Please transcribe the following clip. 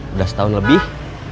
udah setahun lebih